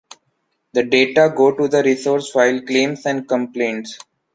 The data go to resource files, claims and complaints.